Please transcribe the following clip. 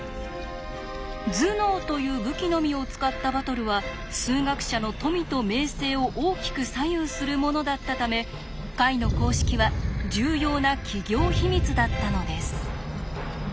頭脳という武器のみを使ったバトルは数学者の富と名声を大きく左右するものだったため解の公式は重要な企業秘密だったのです。